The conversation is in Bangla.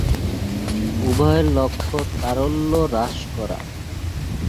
ক. উভয়ের লক্ষ্য তারল্য হ্রাস করা